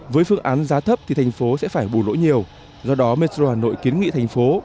với phương án giá thấp thì thành phố sẽ phải bù lỗi nhiều do đó metro hà nội kiến nghị thành phố